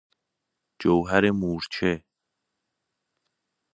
جوهر مورچه